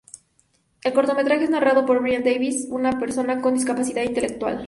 El cortometraje es narrado por Brian Davis, una persona con discapacidad intelectual.